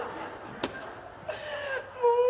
もう！